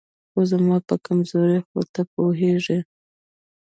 خو زما په کمزورۍ خو ته پوهېږې